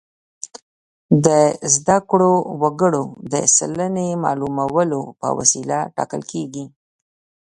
د زده کړو وګړو د سلنې معلومولو په وسیله ټاکل کیږي.